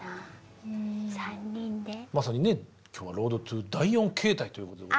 まさにね今日はロード・トゥ・第４形態ということで。